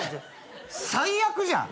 最悪じゃん！